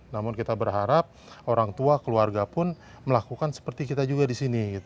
namun kita berharap orang tua keluarga pun melakukan seperti kita juga di sini